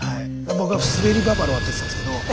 僕は「すべりババロア」って言ってたんですけど。